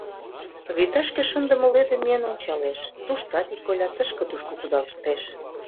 Вӱташке шындыме лӧдым миен ончалеш: туштат ик коля тышке-тушко кудалыштеш.